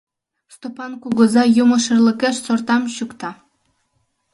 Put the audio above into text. Стопан кугыза юмо шӧрлыкеш сортам чӱкта.